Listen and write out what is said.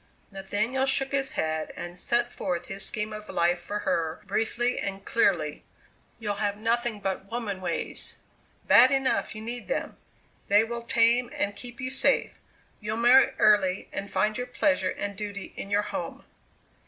Nathaniel shook his head and set forth his scheme of life for her, briefly and clearly. "You'll have nothing but woman ways bad enough you need them they will tame and keep you safe. You'll marry early and find your pleasure and duty in your home."